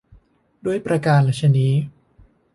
ด้วยประการฉะนี้